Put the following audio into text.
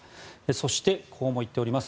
そして、こうも言っております。